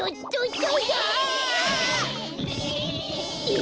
え。